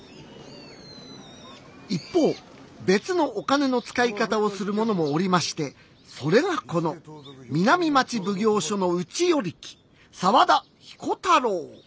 一方別のお金の使い方をする者もおりましてそれがこの南町奉行所の内与力沢田彦太郎。